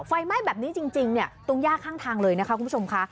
ไฟไหม้แบบนี้จริงเนี่ยตรงย่าข้างทางเลยนะคะคุณผู้ชมค่ะ